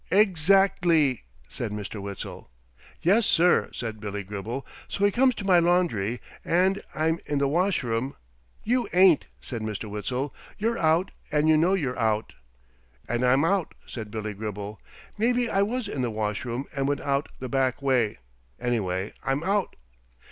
"Ex act ly!" said Mr. Witzel. "Yes, sir," said Billy Gribble. "So he comes to my laundry, and I'm in the washroom " "You ain't!" said Mr. Witzel. "You're out, and you know you're out!" "And I'm out," said Billy Gribble. "Maybe I was in the washroom and went out the back way. Anyway, I'm out.